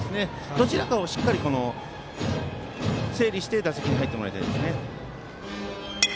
どちらかをしっかり整理して打席に入ってもらいたいです。